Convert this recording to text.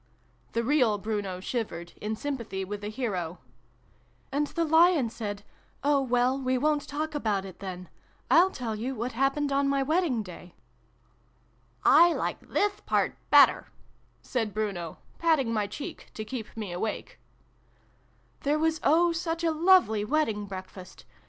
' The real Bruno shivered, in sympathy with the hero. " And the Lion said ' Oh, well, we won't talk about it, then ! I'll tell you what happened on my wedding day " I like this part better," said Bruno, patting my cheek to keep me awake.